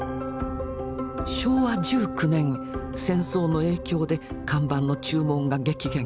昭和１９年戦争の影響で看板の注文が激減。